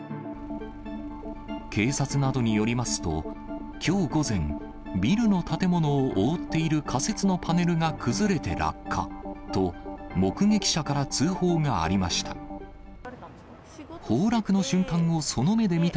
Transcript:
警察などによりますと、きょう午前、ビルの建物を覆っている仮設のパネルが崩れて落下、と、目撃者から通報がありました。